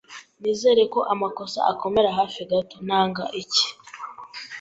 Nizere ko amasoko akomera hafi gato. Nanga icyi.